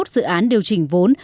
hai mươi một dự án điều chỉnh vốn